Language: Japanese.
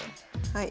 はい。